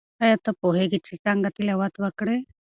آیا ته پوهیږې چې څنګه تلاوت وکړې؟